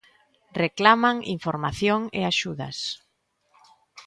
Reclaman información e axudas.